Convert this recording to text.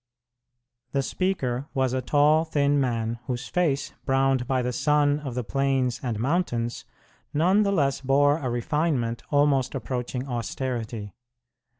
The speaker was a tall, thin man, whose face, browned by the sun of the plains and mountains, none the less bore a refinement almost approaching austerity.